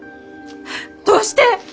どうして？